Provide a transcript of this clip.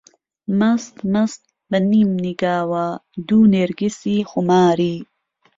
مەست مەست بە نیمنیگاوە، دوو نێرگسی خوماری